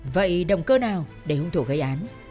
vậy đồng cơ nào để hung thủ gây án